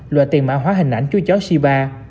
loại tiền mã hóa hình ảnh chú chó shiba